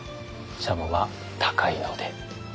しゃもは高いので。